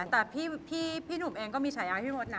แต่พี่หนุ่มเองก็มีฉายาให้พี่มดนะ